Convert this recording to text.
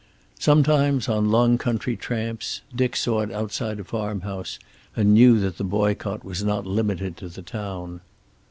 Sometimes, on long country tramps, Dick saw it outside a farmhouse, and knew that the boycott was not limited to the town.